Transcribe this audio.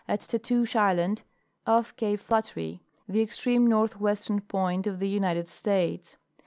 at Tatoosh island, off cape Flat tery, the extreme northwestern point of the United States.